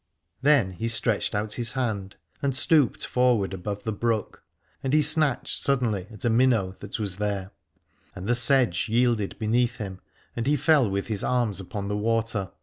Then he stretched out his hand and 316 Alad ore stooped forward above the brook, and he snatched suddenly at a minnow that was there : and the sedge yielded beneath him and he fell with his arms upon the water.